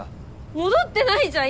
戻ってないじゃん！